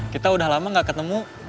kita udah lama gak ketemu